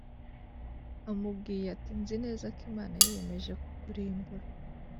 amubwiye ati nzi neza ko Imana yiyemeje kukurimbura